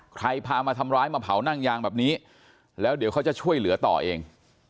พามาทำร้ายมาเผานั่งยางแบบนี้แล้วเดี๋ยวเขาจะช่วยเหลือต่อเอง